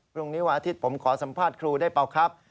วันอาทิตย์ผมขอสัมภาษณ์ครูได้เปล่าครับ